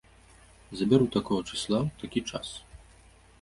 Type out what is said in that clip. Забяру такога чысла ў такі час.